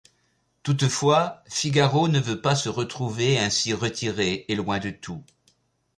Toutefois, Figaro ne veut pas se retrouver ainsi retiré et loin de tout.